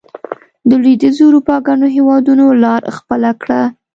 د لوېدیځې اروپا ګڼو هېوادونو لار خپله کړه.